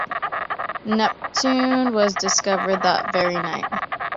Neptune was discovered that very night.